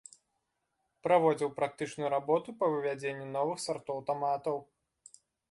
Праводзіў практычную работу па вывядзенні новых сартоў таматаў.